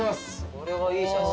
これはいい写真。